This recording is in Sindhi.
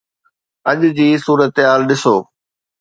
اڄ جي صورتحال ڏسو.